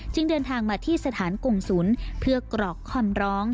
เดินทางมาที่สถานกงศูนย์เพื่อกรอกคำร้อง